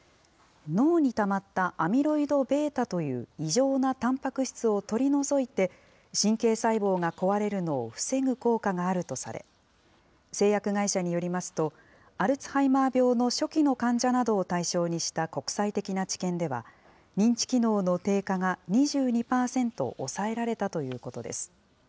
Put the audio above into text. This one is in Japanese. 脳にたまったアミロイドβという異常なたんぱく質を取り除いて、神経細胞が壊れるのを防ぐ効果があるとされ、製薬会社によりますと、アルツハイマー病の初期の患者などを対象にした国際的な治験では、認知機能の低下が２２％抑えられたということです。